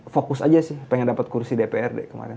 fokus aja sih pengen dapat kursi dprd kemarin